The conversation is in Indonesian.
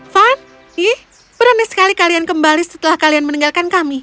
van ih berani sekali kalian kembali setelah kalian meninggalkan kami